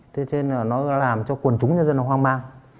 thế nên nó làm cho quần chúng nhân dân hoang mang